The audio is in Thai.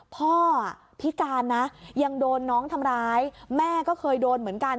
พ่อพิการนะยังโดนน้องทำร้ายแม่ก็เคยโดนเหมือนกัน